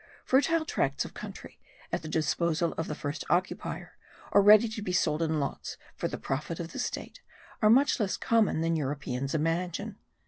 Fertile tracts of country, at the disposal of the first occupier, or ready to be sold in lots for the profit of the state, are much less common than Europeans imagine.